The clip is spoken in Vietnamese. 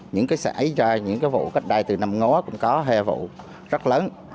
những vụ xảy ra những vụ cách đây từ năm ngó cũng có hai vụ rất lớn